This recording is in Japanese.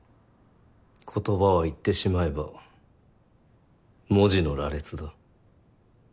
言葉は言ってしまえば文字の羅列だ。